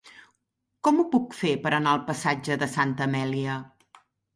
Com ho puc fer per anar al passatge de Santa Amèlia?